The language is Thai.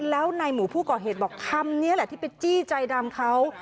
แล้วในหมู่ผู้ก่อเหตุบอกคำนี้แหละที่ไปจี้ใจดำเขา